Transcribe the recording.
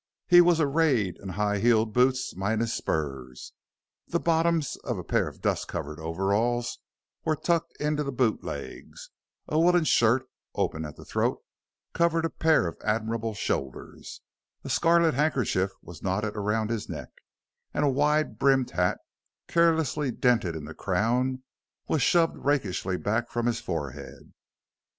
He was arrayed in high heeled boots, minus spurs; the bottoms of a pair of dust covered overalls were tucked into the boot legs; a woolen shirt, open at the throat, covered a pair of admirable shoulders; a scarlet handkerchief was knotted around his neck; and a wide brimmed hat, carelessly dented in the crown, was shoved rakishly back from his forehead.